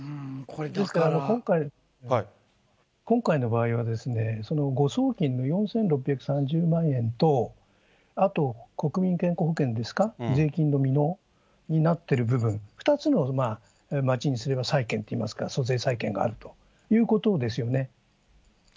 ですから、今回の場合は、誤送金の４６３０万円と、あと国民健康保険ですか、税金の未納になっている部分、２つの町にすれば債権といいますか、租税債権があるということですよね。